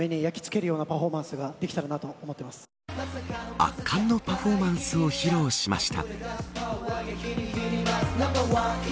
圧巻のパフォーマンスを披露しました。